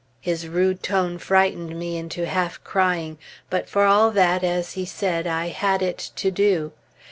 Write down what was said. His rude tone frightened me into half crying; but for all that, as he said, I had it to do.